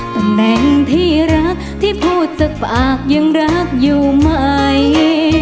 ตำแหน่งที่รักที่พูดจากปากยังรักอยู่ไหม